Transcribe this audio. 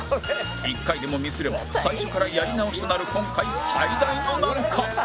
１回でもミスれば最初からやり直しとなる今回最大の難関